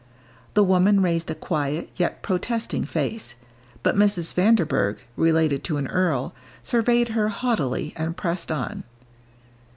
The woman raised a quiet, yet protesting face; but Mrs. Vanderburgh, related to an earl, surveyed her haughtily, and pressed on.